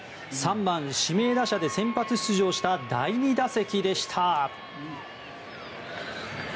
３番指名打者で先発出場した第２打席でした。